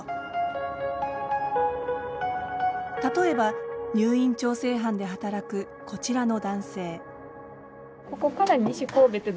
例えば入院調整班で働くこちらの男性。